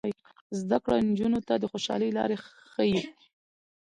زده کړه نجونو ته د خوشحالۍ لارې ښيي.